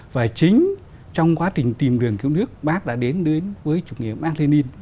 và chính trong quá trình tìm đường cứu nước bác đã đến với chủ nghĩa mark lenin